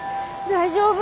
大丈夫。